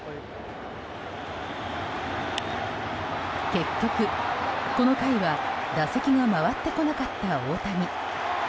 結局、この回は打席が回ってこなかった大谷。